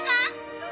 どう？